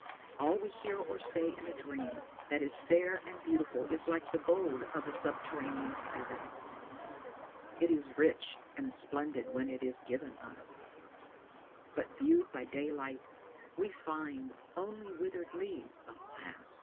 All we hear or say in a dream that is fair and beautiful is like the gold of the subterranean spirits; it is rich and splendid when it is given us, but viewed by daylight we find only withered leaves. Alas!"